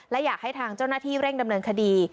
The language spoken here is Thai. และอยากให้ทางเจ้าหน้าที่เร่งดำเนินคดี